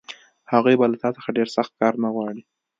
هغوی به له تا څخه ډېر سخت کار نه غواړي